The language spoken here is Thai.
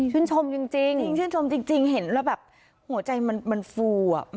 ชื่นชมจริงเห็นแล้วแบบหัวใจมันฟู